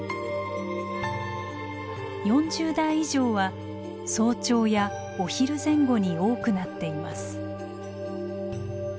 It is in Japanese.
４０代以上は早朝やお昼前後に多くなっています。